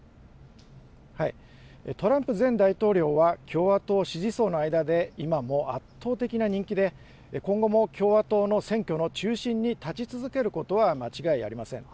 トランプ前大統領は、共和党支持層の間で、今も圧倒的な人気で、今後も共和党の選挙の中心に立ち続けることは間違いありません。